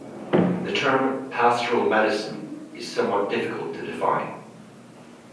The term "pastoral medicine" is somewhat difficult to define.